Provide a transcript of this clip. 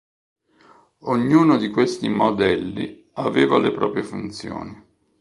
Ognuno di questi "modelli" aveva le proprie funzioni.